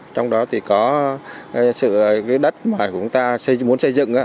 trong đó thì có sự đất mà chúng ta muốn xây dựng